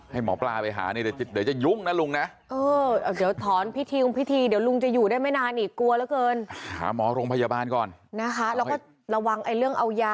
ให้หมอปลาไปหาเนี่ยเดี๋ยวจะยุ่งนะลุงนะ